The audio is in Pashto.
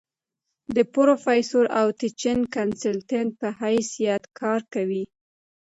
د پروفيسر او ټيچنګ کنسلټنټ پۀ حېث يت کار کوي ۔